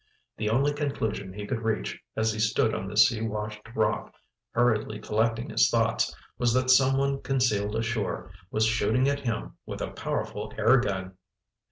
The only conclusion he could reach, as he stood on the sea washed rock, hurriedly collecting his thoughts, was that someone concealed ashore was shooting at him with a powerful air gun.